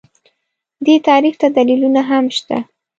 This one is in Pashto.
دې تعریف ته دلیلونه هم شته